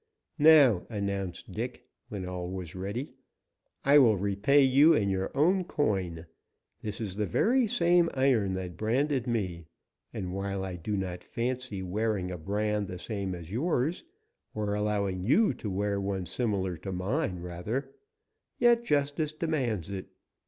"Now," announced Dick, when all was ready, "I will repay you in your own coin. This is the very same iron that branded me, and, while I do not fancy wearing a brand the same as yours or allowing you to wear one similar to mine, rather yet justice demands it.